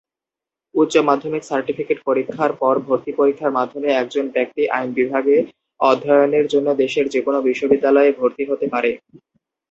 উচ্চমাধ্যমিক সার্টিফিকেট পরীক্ষার পর ভর্তি পরীক্ষার মাধ্যমে একজন ব্যক্তি আইন বিভাগে অধ্যয়নের জন্য দেশের যে কোনো বিশ্ববিদ্যালয়ে ভর্তি হতে পারে।